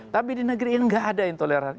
tapi di negeri ini nggak ada intoleransi